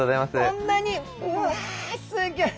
こんなにうわすギョい！